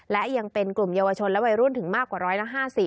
และยังเป็นกลุ่มเยาวชนและวัยรุ่นถึงมากกว่าร้อยละ๕๐